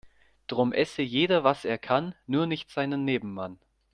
Drum esse jeder was er kann, nur nicht seinen Nebenmann.